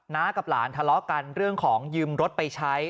กับหลานทะเลาะกันเรื่องของยืมรถไปใช้